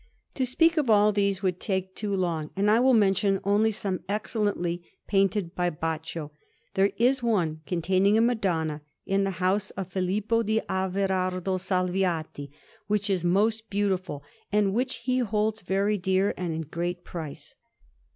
To speak of all these would take too long, and I will mention only some excellently painted by Baccio. There is one, containing a Madonna, in the house of Filippo di Averardo Salviati, which is most beautiful, and which he holds very dear and in great price.